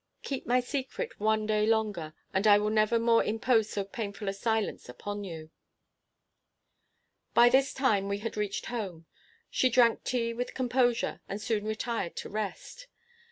Keep my secret one day longer, and I will never more impose so painful a silence upon you." By this time we had reached home. She drank tea with composure, and soon retired to rest.